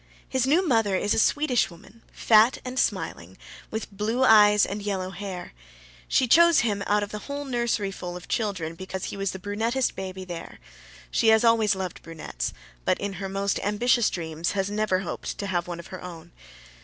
His new mother is a Swedish woman, fat and smiling, with blue eyes and yellow hair. She chose him out of the whole nurseryful of children because he was the brunettest baby there. She has always loved brunettes, but in her most ambitious dreams has never hoped to have one of her own.